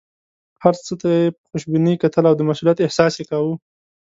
هر څه ته یې په خوشبینۍ کتل او د مسوولیت احساس یې کاوه.